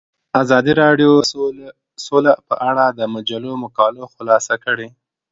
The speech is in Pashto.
ازادي راډیو د سوله په اړه د مجلو مقالو خلاصه کړې.